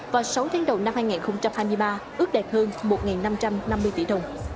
và sáu tháng đầu năm hai nghìn hai mươi ba ước đạt hơn một năm trăm năm mươi tỷ đồng